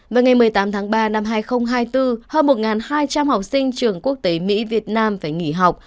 vào ngày một mươi tám tháng ba năm hai nghìn hai mươi bốn hơn một hai trăm linh học sinh trường quốc tế mỹ việt nam phải nghỉ học